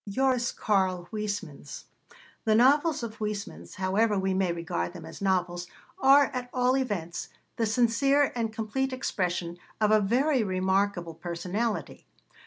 JORIS KARL HUYSMANS The novels of Huysmans, however we may regard them as novels, are, at all events, the sincere and complete expression of a very remarkable personality.